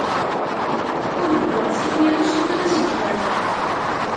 Ur wwiɣ si tirect, wala seg ukerfa.